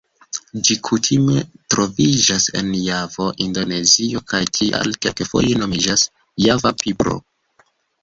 Ĝi kutime troviĝas en Javo Indonezio, kaj tial kelkfoje nomiĝas Java pipro.